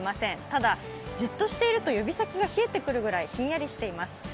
ただ、じっとしていると指先が冷えてくるぐらいひんやりしています。